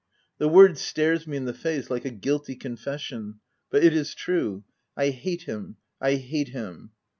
The w T ord stares me in the face like a guilty confession, but it is true : I hate him — I hate him